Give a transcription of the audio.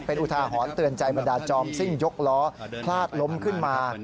เป็นอุทาหรณ์เตือนใจบรรดาจอมซิ่งยกล้อพลาดล้มขึ้นมา